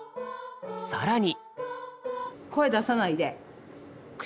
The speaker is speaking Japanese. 更に。